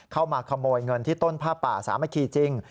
เข้ามาขโมยเงินที่ต้นผ้าป่าสามัคคีจริง